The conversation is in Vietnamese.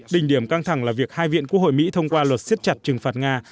đình điểm căng thẳng là việc hai viện quốc hội mỹ thông qua luật siết chặt trừng phạt nga